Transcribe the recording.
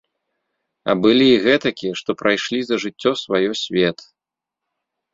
А былі і гэтакія, што прайшлі за жыццё сваё свет.